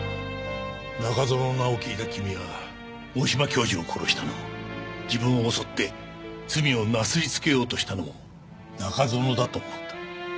中園の名を聞いた君は大島教授を殺したのも自分を襲って罪をなすりつけようとしたのも中園だと思った。